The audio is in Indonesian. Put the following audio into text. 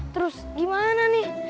terus gimana nih